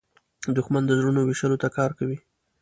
دښمن د زړونو ویشلو ته کار کوي